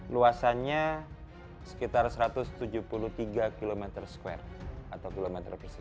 luasannya sekitar satu ratus tujuh puluh tiga km dua atau km dua